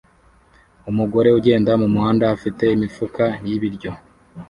Umugore ugenda mumuhanda afite imifuka y'ibiryo